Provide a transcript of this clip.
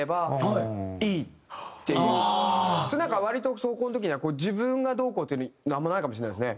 それなんか割と草稿の時には自分がどうこうっていうのあんまないかもしれないですね。